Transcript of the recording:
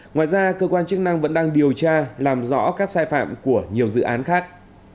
ngoài ra cơ quan chức năng vẫn đang điều tra làm rõ các sai phạm của nhiều dự án khác